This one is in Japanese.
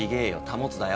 「保つ」だよ。